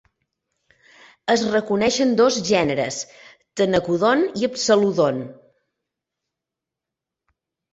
Es reconeixen dos gèneres: "Ctenacodon" i "Psalodon".